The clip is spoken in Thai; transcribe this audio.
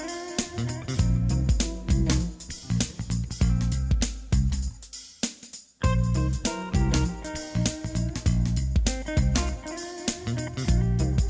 แล้วผมก็จะกลับมาฝากณ์เหมือนเดิมครับ